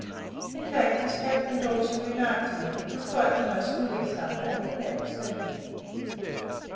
In fact, as Captain Dawson remarked to me, it was quite the most "willing" Sunday he had ever seen.